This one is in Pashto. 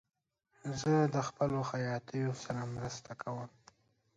زه د خپلو خیاطیو سره مرسته کوم.